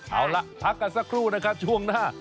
เอาละพักกันสักครู่ช่วงหน้า